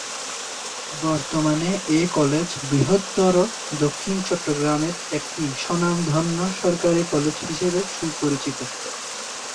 বর্তমানে এ কলেজ বৃহত্তর দক্ষিণ চট্টগ্রামের একটি স্বনামধন্য সরকারি কলেজ হিসেবে সুপরিচিত।